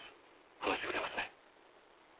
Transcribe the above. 話してくれますね？